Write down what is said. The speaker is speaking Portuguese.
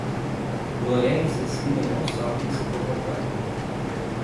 Lorena e Cecília não sabem se comportar.